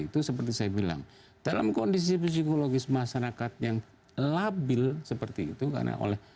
itu seperti saya bilang dalam kondisi psikologis masyarakat yang labil seperti itu karena oleh